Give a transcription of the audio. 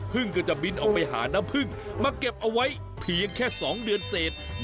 ก็จะบินออกไปหาน้ำพึ่งมาเก็บเอาไว้เพียงแค่๒เดือนเศษ